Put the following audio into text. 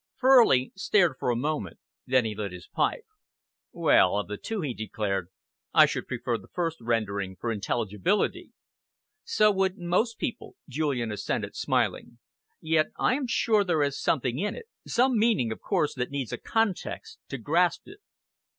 '" Furley stared for a moment, then he lit his pipe. "Well, of the two," he declared, "I should prefer the first rendering for intelligibility." "So would most people," Julian assented, smiling, "yet I am sure there is something in it some meaning, of course, that needs a context to grasp it."